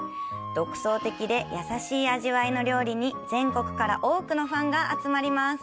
独創的で優しい味わいの料理に全国から多くのファンが集まります。